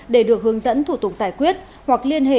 để được hướng dẫn thủ tục giải quyết hoặc liên hệ